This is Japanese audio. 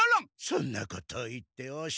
そんなことを言って和尚。